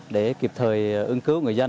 để kịp thời ứng cứu người dân